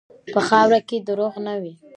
په خاوره کې دروغ نه وي.